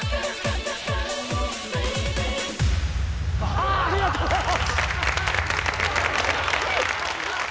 ありがとうございます。